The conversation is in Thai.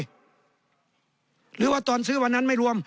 หรือว่าตอนซื้อวันนั้นไม่รวม